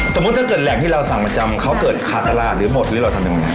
ถ้าเกิดแหล่งที่เราสั่งประจำเขาเกิดขาดตลาดหรือหมดหรือเราทำยังไง